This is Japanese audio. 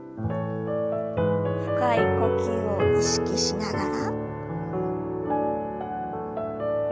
深い呼吸を意識しながら。